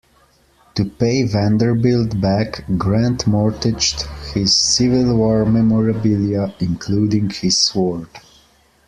To pay Vanderbilt back, Grant mortgaged his Civil War memorabilia, including his sword.